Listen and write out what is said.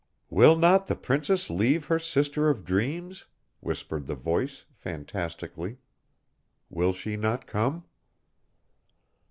"_ "Will not the princess leave her sisters of dreams?" whispered the voice, fantastically. "Will she not come?"